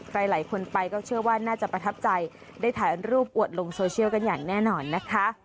หลายคนไปก็เชื่อว่าน่าจะประทับใจได้ถ่ายรูปอวดลงโซเชียลกันอย่างแน่นอนนะคะ